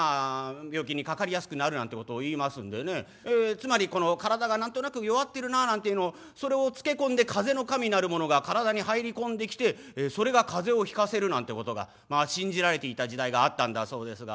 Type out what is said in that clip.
つまりこの体が何となく弱ってるななんていうのをそれをつけ込んで風の神なるものが体に入り込んできてそれが風邪をひかせるなんてことがまあ信じられていた時代があったんだそうですが。